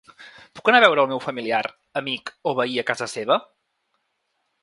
Puc anar a veure el meu familiar, amic o veí a casa seva?